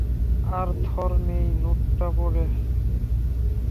আর থর সেই নোটটা পড়ে।